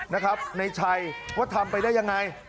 นะครับในชัยว่าทำไปได้ยังไง